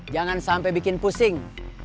jangan sampai bikin pusing